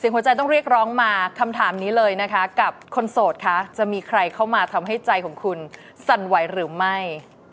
หัวใจต้องเรียกร้องมาคำถามนี้เลยนะคะกับคนโสดคะจะมีใครเข้ามาทำให้ใจของคุณสั่นไหวหรือไม่